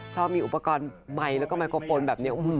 เพราะมีอุปกรณ์ไมค์แล้วก็ไมโครโฟนแบบนี้